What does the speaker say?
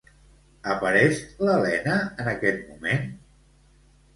Apareix l'Elena en aquest moment?